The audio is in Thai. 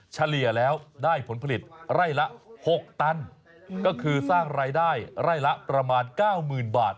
เฉลี่ยแล้วได้ผลผลิตไร่ละ๖ตันก็คือสร้างรายได้ไร่ละประมาณ๙๐๐๐บาท